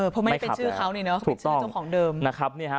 เพราะไม่เป็นชื่อเขานี่เนอะเป็นชื่อเจ้าของเดิมนะครับ